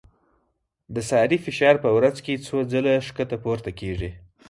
د سارې فشار په ورځ کې څو ځله ښکته پورته کېږي.